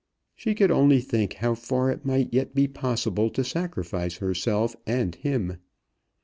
She could only think how far it might yet be possible to sacrifice herself and him.